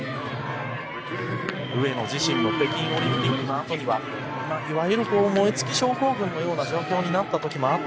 上野自身も北京オリンピックのあとにはいわゆる燃え尽き症候群のような状況になった時もあったと聞きます。